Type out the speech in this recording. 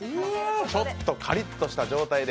ちょっとカリッとした状態で。